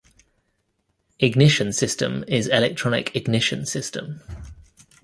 Ignition system is electronic ignition system.